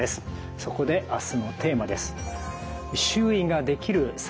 そこで明日のテーマです。